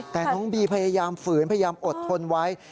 แต่น้องบีพยายามฝืนพยายามอดทนไว้